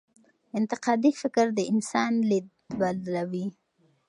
انتقادي فکر د انسان لید بدلوي.